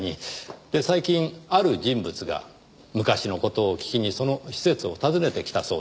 で最近ある人物が昔の事を聞きにその施設を訪ねてきたそうです。